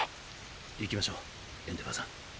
行きましょうエンデヴァーさん。